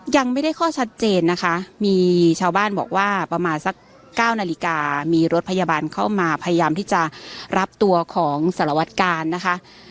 ยังไม่ได้ข้อชัดเจนนะคะมีชาวบ้านบอกว่าประมาณสัก๙นาฬิกามีรถพยาบาลเข้ามาพยายามที่จะรับตัวของสารวัตกาลนะคะ